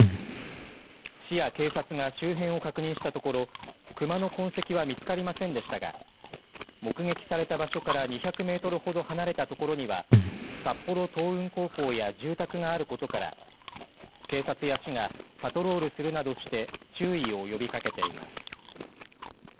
市や警察が周辺を確認したところ熊の痕跡は見つかりませんでしたが目撃された場所から２００メートルほど離れた所には札幌稲雲高校や住宅があることから警察や市がパトロールするなどして注意を呼びかけています。